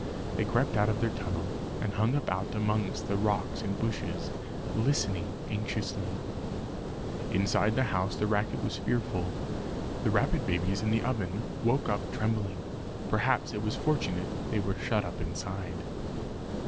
They crept out of their tunnel, and hung about amongst the rocks and bushes, listening anxiously. Inside the house the racket was fearful. The rabbit babies in the oven woke up trembling; perhaps it was fortunate they were shut up inside.